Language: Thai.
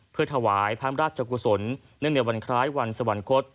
เพื่อถวายพระราชกุศลเนื่องในวันคล้ายวันสวรรคต